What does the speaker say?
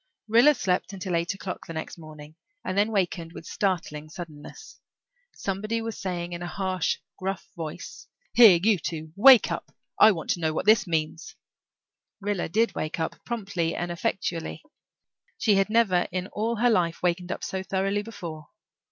Rilla slept until eight o'clock the next morning and then wakened with startling suddenness. Somebody was saying in a harsh, gruff voice, "Here, you two, wake up. I want to know what this means." Rilla did wake up, promptly and effectually. She had never in all her life wakened up so thoroughly before.